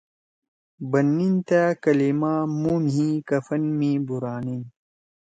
بن نیِن تأ کلیما مُو مھی کفن می بُورانیِن ۔